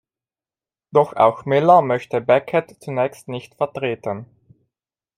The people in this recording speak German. Doch auch Miller möchte Beckett zunächst nicht vertreten.